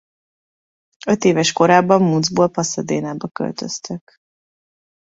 Öt éves korában Mounds-ból Pasadenaba költöztek.